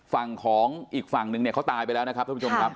ฝั่งของอีกฝั่งนึงเนี่ยเขาตายไปแล้วนะครับท่านผู้ชมครับ